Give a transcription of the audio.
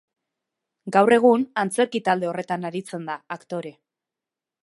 Gaur egun, antzerki talde horretan aritzen da, aktore.